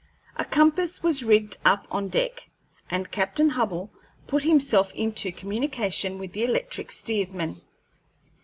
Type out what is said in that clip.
A compass was rigged up on deck, and Captain Hubbell put himself into communication with the electric steersman.